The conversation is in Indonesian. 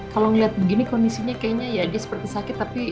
kalau ngeliat begini kondisinya kayaknya ya dia seperti sakit tapi